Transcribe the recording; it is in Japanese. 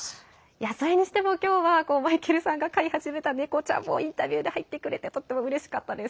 それにしても今日はマイケルさんが飼い始めたネコちゃんもインタビューで入ってくれてとってもうれしかったです。